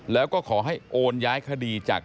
แล้วก็ขอให้โอนย้ายคดีจาก